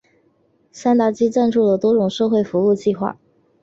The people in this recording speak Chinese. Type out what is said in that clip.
山达基赞助了多种社会服务计画。